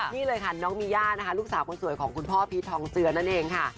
นี่เลยค่ะน้องมีย่านะคะลูกสาวคนสวยของคุณพ่อพีชทองเจือนั่นเองค่ะ